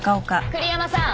栗山さん。